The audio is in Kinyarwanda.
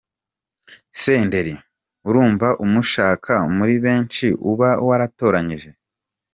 Senderi: Urumva umushaka muri benshi uba waratoranyije.